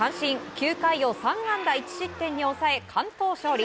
９回を３安打１失点に抑え完投勝利。